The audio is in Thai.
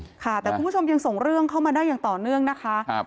ค่ะแต่คุณผู้ชมยังส่งเรื่องเข้ามาได้อย่างต่อเนื่องนะคะ